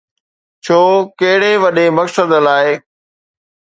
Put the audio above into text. ڇو، ڪهڙي وڏي مقصد لاءِ؟